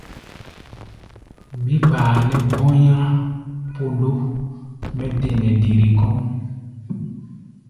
Mí kpaa nɛ́ bɔ̧́í̧á̧ pondo mɛ́ de nɛ dere kɔ́ʼm.